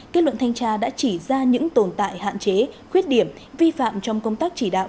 kết luận thanh tra đã chỉ ra những tồn tại hạn chế khuyết điểm vi phạm trong công tác chỉ đạo